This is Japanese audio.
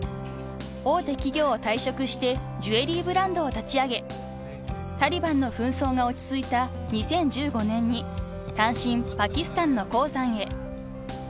［大手企業を退職してジュエリーブランドを立ち上げタリバンの紛争が落ち着いた２０１５年に単身パキスタンの鉱山へ］